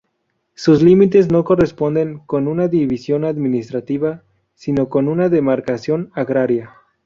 Sus límites no se corresponden con una división administrativa, sino con una demarcación agraria.